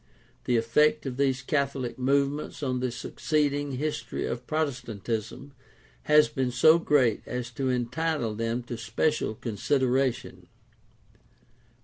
The effect of these Catholic movements on the succeeding his tory of Protestantism has been so great as to entitle them to special consideration.